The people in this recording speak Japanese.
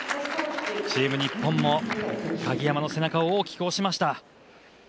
チーム日本も鍵山の背中を大きく押しました。